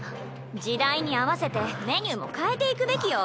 時代に合わせてメニューも変えていくべきよ。